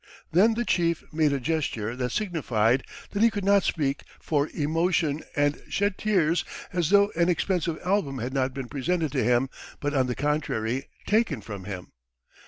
Then the chief made a gesture that signified that he could not speak for emotion, and shed tears as though an expensive album had not been presented to him, but on the contrary, taken from him